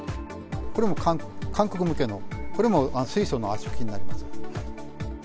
これも韓国向けの、これも水素の圧縮機になります。